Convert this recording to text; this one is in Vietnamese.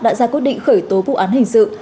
đã ra quyết định khởi tố vụ án hình sự